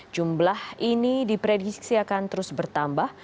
jumlah ini diprediksi akan terus bertambah